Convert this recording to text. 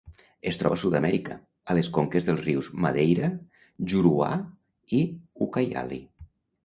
Es troba a Sud-amèrica, a les conques dels rius Madeira, Juruá i Ucayali.